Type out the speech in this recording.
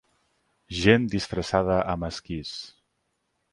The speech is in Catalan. Gent disfressada amb esquís.